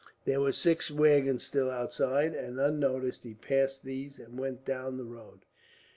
There were six waggons still outside and, unnoticed, he passed these and went down the road.